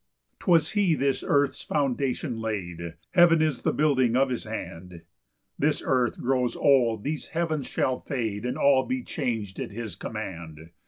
4 'Twas he this earth's foundation laid; Heaven is the building of his hand: This earth grows old, these heavens shall fade, And all be chang'd at his command.